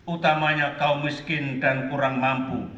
utamanya kaum miskin dan kurang mampu